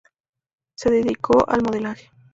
Se dedicó al modelaje.